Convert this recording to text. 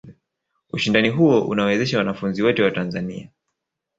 Ushindani huo unawezesha wanafunzi wote wa Tanzani